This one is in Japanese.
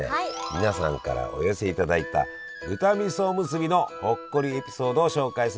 皆さんからお寄せいただいた豚味噌おむすびのほっこりエピソードを紹介するコーナーです！